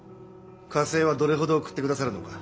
加勢はどれほど送ってくださるのか？